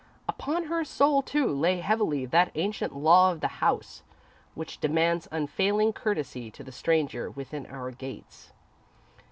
Upon her soul, too, lay heavily that ancient Law of the House, which demands unfailing courtesy to the stranger within our gates.